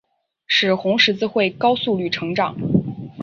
使红十字会高速率成长。